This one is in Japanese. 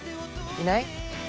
いない？